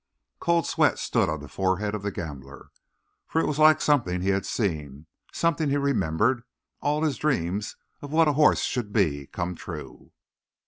Cold sweat stood on the forehead of the gambler, for it was like something he had seen, something he remembered; all his dreams of what a horse should be, come true.